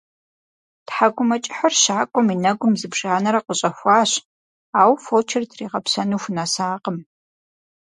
ТхьэкӀумэкӀыхьыр щакӀуэм и нэгум зыбжанэрэ къыщӀэхуащ, ауэ фочыр тригъэпсэну хунэсакъым.